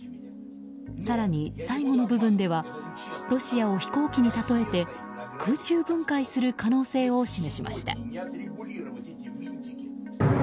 更に最後の部分ではロシアを飛行機にたとえて空中分解する可能性を示しました。